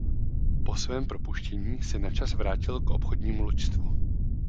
Po svém propuštění se načas vrátil k obchodnímu loďstvu.